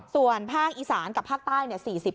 ส่วนภาคอีสานกับภาคใต้